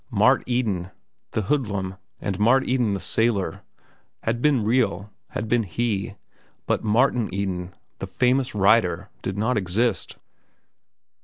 Mart Eden, the hoodlum, and Mart Eden, the sailor, had been real, had been he; but Martin Eden! the famous writer, did not exist.